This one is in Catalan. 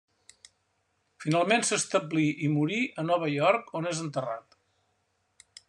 Finalment, s'establí i morí a Nova York, on és enterrat.